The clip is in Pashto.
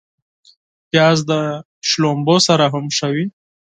پیاز د شړومبو سره هم ښه وي